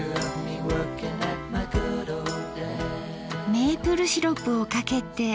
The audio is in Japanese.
メープルシロップをかけて。